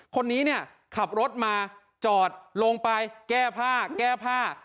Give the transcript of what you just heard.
คนนี้เนี่ยขับรถมาจอดลงไปแก้ผ้าแก้ผ้า